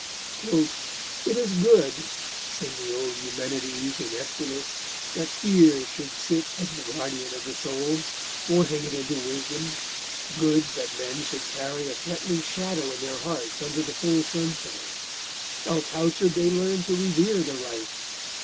"It is good," sing the old Eumenides, in Aeschylus, "that fear should sit as the guardian of the soul, forcing it into wisdom—good that men should carry a threatening shadow in their hearts under the full sunshine; else, how should they learn to revere the right?"